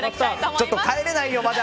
ちょっと帰れないよ、まだ！